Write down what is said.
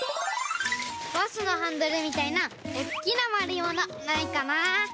バスのハンドルみたいなおっきなまるいものないかな？